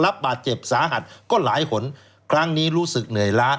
รับบาดเจ็บสาหัสก็หลายหนครั้งนี้รู้สึกเหนื่อยล้า